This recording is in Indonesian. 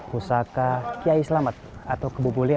pusaka kiai selamat atau kebu bule